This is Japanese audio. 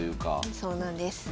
そうなんです。